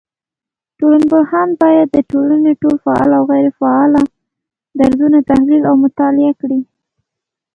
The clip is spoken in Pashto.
ټولنپوهان بايد د ټولني ټول فعال او غيري فعاله درځونه تحليل او مطالعه کړي